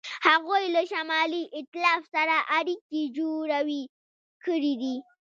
هغوی له شمالي ایتلاف سره اړیکې جوړې کړې.